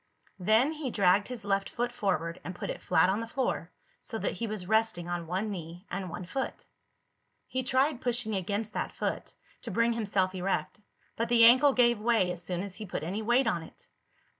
Then he dragged his left foot forward and put it flat on the floor, so that he was resting on one knee and one foot. He tried pushing against that foot, to bring himself erect, but the ankle gave way as soon as he put any weight on it.